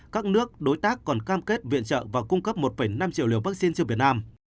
các nước đối tác còn cam kết viện trợ và cung cấp một năm triệu liều vaccine cho việt nam